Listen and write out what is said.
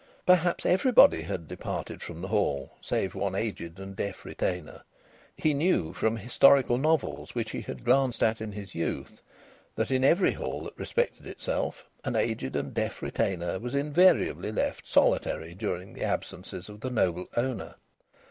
Perhaps everybody had departed from the Hall save one aged and deaf retainer he knew, from historical novels which he had glanced at in his youth, that in every Hall that respected itself an aged and deaf retainer was invariably left solitary during the absences of the noble owner.